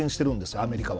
アメリカは。